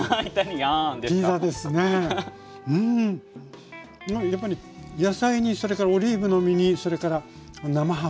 いやあやっぱり野菜にそれからオリーブの実にそれから生ハム。